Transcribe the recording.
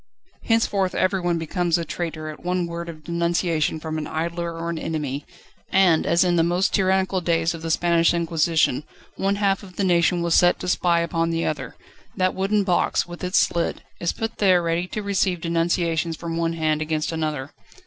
Henceforth everyone becomes a traitor at one word of denunciation from an idler or an enemy, and, as in the most tyrannical days of the Spanish Inquisition one half of the nation was set to spy upon the other, that wooden box, with its slit, is put there ready to receive denunciations from one hand against another.